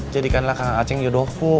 jadikanlah kang aceh yodoku